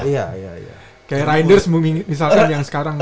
kayak riders misalkan yang sekarang